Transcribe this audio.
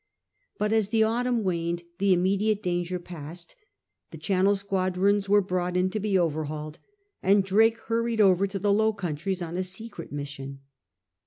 But as the autumn waned the immediate danger passed ; the Channel squadrons were brought in to be overhauled, and Drake hurried over to the Low Countries on a secret mission.